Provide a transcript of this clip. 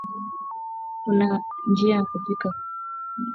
kuna njia kupika vyakuala ili kutunzaa virutubisho